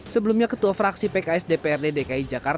sebelumnya ketua fraksi pks dprd dki jakarta abdurrahman suhaimi mengatakan